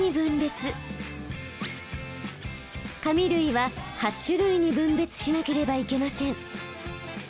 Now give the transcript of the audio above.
紙類は８種類に分別しなければいけません。